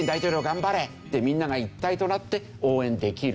頑張れってみんなが一体となって応援できるだろう。